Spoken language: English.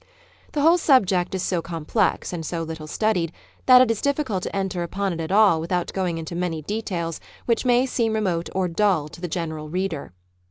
The whole subject is so complex and so little studied that it is difficult to enter upon it at all with out going into many details which may seem remote or dull to the general reader.